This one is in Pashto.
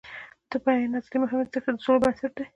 د بیان ازادي مهمه ده ځکه چې د سولې بنسټ دی.